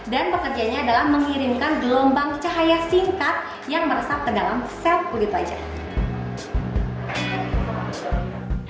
dan pekerjanya adalah mengirimkan gelombang cahaya singkat yang meresap ke dalam sel kulit wajah